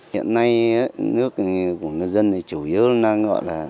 hiện nay nước của người dân thì chủ yếu đang gọi là